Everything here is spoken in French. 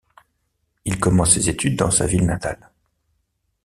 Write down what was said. Il commence ses études dans sa ville natale.